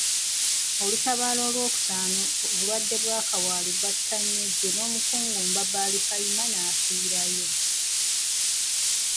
Olutabaalo olw'okutaano obulwadde bwa kawaali bwatta nnyo eggye n'Omukungu Mbabaali Kayima n'afiirayo.